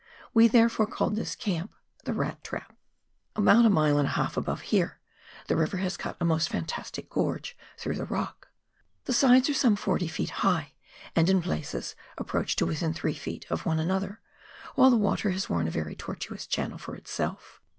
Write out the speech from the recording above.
We therefore called this camp the " Rat Trap." About a mile and a half above here, the river has cut a most fantastic gorge through the rock. The sides are some 40 ft. high, and in places approach to within three feet of one another, while the water has worn a very tortuous channel for itself.